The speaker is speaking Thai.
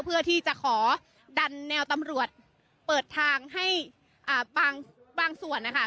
เพื่อที่จะขอดันแนวตำรวจเปิดทางให้บางส่วนนะคะ